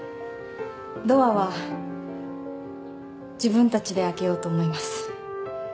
ドアは自分たちで開けようと思います